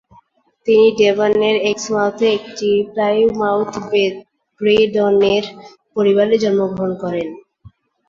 তিনি ডেভনের এক্সমাউথে একটি Plymouth brethren পরিবারে জন্মগ্রহণ করেন।